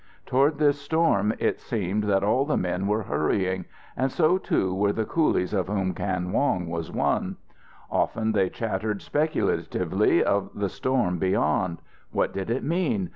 Toward this storm it seemed that all the men were hurrying, and so too were the coolies of whom Kan Wong was one. Often they chattered speculatively of the storm beyond. What did it mean?